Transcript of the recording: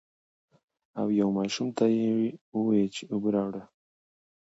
او يو ماشوم ته يې ووې چې اوبۀ راوړه ـ